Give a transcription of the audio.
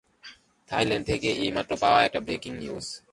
Thailand থেকে এইমাত্র পাওয়া একটা ব্রেকিং নিউজ।